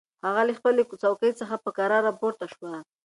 هغه له خپلې څوکۍ څخه په کراره پورته شوه.